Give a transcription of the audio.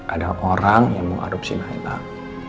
ada orang yang mau adopsi nailah